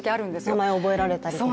名前覚えられたりとか？